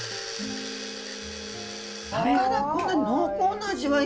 だからこんな濃厚な味わいに。